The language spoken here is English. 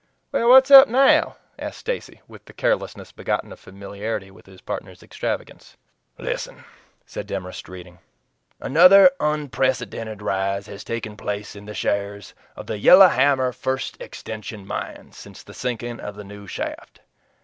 "What's up now?" asked Stacy, with the carelessness begotten of familiarity with his partner's extravagance. "Listen," said Demorest, reading. "Another unprecedented rise has taken place in the shares of the 'Yellow Hammer First Extension Mine' since the sinking of the new shaft.